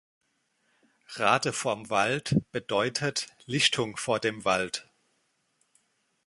„Radevormwald“ bedeutet „Lichtung vor dem Wald“.